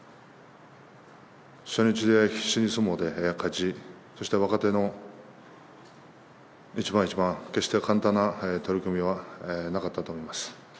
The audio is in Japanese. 初日で相撲で勝ち、そして若手との一番一番、決して簡単な取組はなかったと思います。